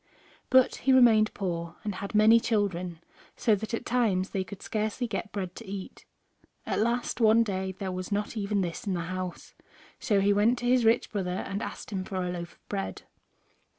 But he remained poor, and had many children, so that at times they could scarcely get bread to eat. At last, one day there was not even this in the house, so he went to his rich brother and asked him for a loaf of bread.